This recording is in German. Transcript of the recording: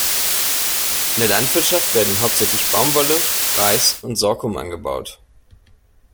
In der Landwirtschaft werden hauptsächlich Baumwolle, Reis und Sorghum angebaut.